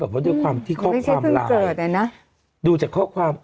แบบว่าด้วยความที่ข้อความรายไม่ใช่ส่วนเจอดเลยนะดูจากข้อความ